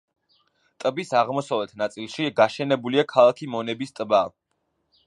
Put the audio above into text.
ტბის აღმოსავლეთ ნაწილში გაშენებულია ქალაქი მონების ტბა.